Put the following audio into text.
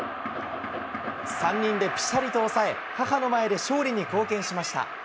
３人でぴしゃりと抑え、母の前で勝利に貢献しました。